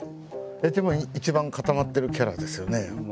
でも一番固まってるキャラですよね。